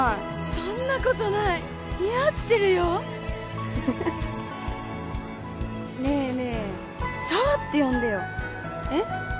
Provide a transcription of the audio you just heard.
そんなことない似合ってるよフフフッねえねえ紗羽って呼んでよえっ？